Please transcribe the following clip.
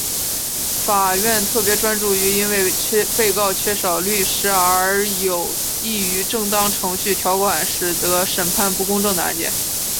法院特别专注于因为被告缺少律师而有异于正当程序条款使得审判不公正的案件。